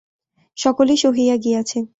সকলি সহিয়া গিয়াছে।